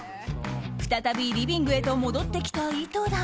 再びリビングへと戻ってきた井戸田。